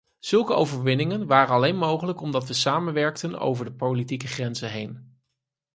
Zulke overwinningen waren alleen mogelijk omdat we samenwerkten over de politieke grenzen heen.